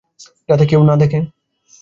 যাতে কেউ না দেখে।